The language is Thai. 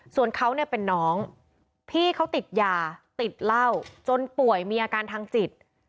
ส่วนเขาเนี่ยเป็นน้องพี่เขาติดยาติดเหล้าจนป่วยมีอาการทางจิต